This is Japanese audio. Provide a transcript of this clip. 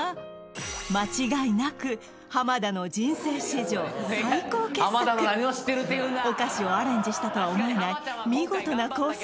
間違いなく田の人生史上最高傑作お菓子をアレンジしたとは思えない見事なコース